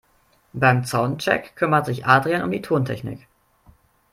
Beim Soundcheck kümmert sich Adrian um die Tontechnik.